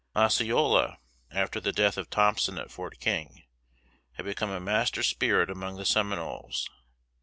Osceola, after the death of Thompson at Fort King, had become a master spirit among the Seminoles.